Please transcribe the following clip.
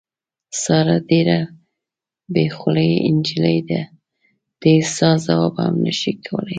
ساره ډېره بې خولې نجیلۍ ده، د هېچا ځواب هم نشي کولی.